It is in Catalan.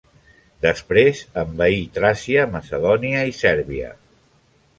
Després envaí Tràcia, Macedònia i Sèrbia.